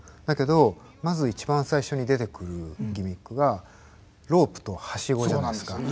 だけどまず一番最初に出てくるギミックがロープとハシゴじゃないですか。